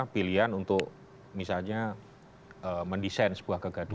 pilihan untuk misalnya mendesain sebuah kegaduhan